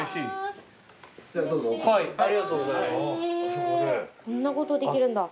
そんなことできるんだ。